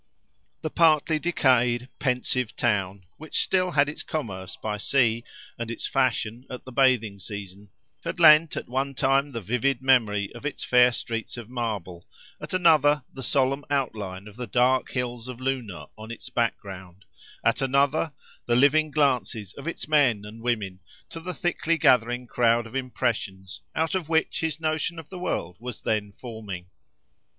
The partly decayed pensive town, which still had its commerce by sea, and its fashion at the bathing season, had lent, at one time the vivid memory of its fair streets of marble, at another the solemn outline of the dark hills of Luna on its background, at another the living glances of its men and women, to the thickly gathering crowd of impressions, out of which his notion of the world was then forming.